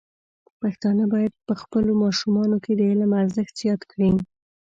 پښتانه بايد په خپلو ماشومانو کې د علم ارزښت زیات کړي.